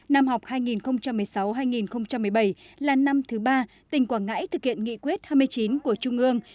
năm học hai nghìn một mươi sáu hai nghìn một mươi bảy là năm thứ ba tỉnh quảng ngãi thực hiện nghị quyết hai mươi chín của trung ương